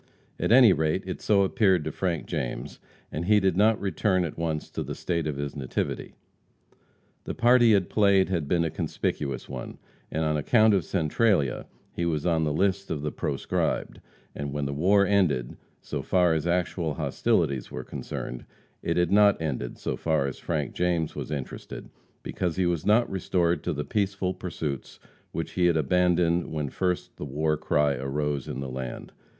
At any rate, it so appeared to Frank James, and he did not return at once to the State of his nativity. The part he had played had been a conspicuous one, and, on account of Centralia, he was on the list of the proscribed, and when the war ended, so far as actual hostilities were concerned, it had not ended, so far as Frank James was interested, because he was not restored to the peaceful pursuits which he had abandoned when first the war cry arose in the land.